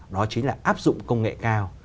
đó chính là áp dụng công nghệ cao